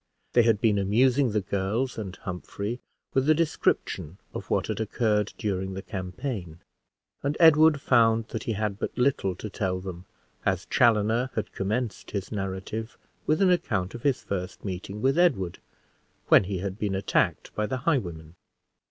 They had been amusing the girls and Humphrey with a description of what had occurred during the campaign, and Edward found that he had but little to tell them, as Chaloner had commenced his narrative with an account of his first meeting with Edward when he had been attacked by the highwaymen.